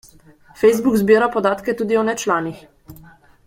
Facebook zbira podatke tudi o nečlanih.